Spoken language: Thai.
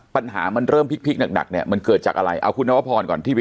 ปัญหามันเริ่มพลิกหนักเนี่ยมันเกิดจากอะไรเอาคุณนวพรก่อนที่ไป